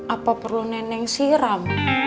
apa perlu neneng siram